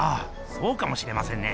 そうかもしれませんね。